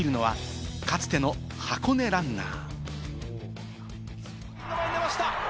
率いるのは、かつての箱根ランナー。